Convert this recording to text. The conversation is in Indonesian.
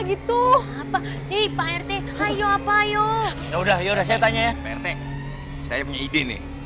gitu apa nih pak rt hayo apa yuk ya udah yuk saya tanya ya saya punya ide nih